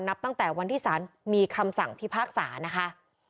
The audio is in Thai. นับตั้งแต่วันที่สารมีคำสั่งพิพากษานะคะ